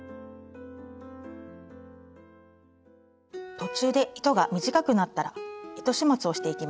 途中で糸が短くなったら糸始末をしていきます。